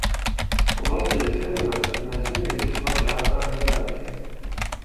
V oblasti diskriminace nesmí existovat žádná hierarchie.